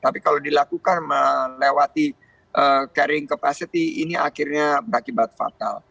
tapi kalau dilakukan melewati carrying capacity ini akhirnya berakibat fatal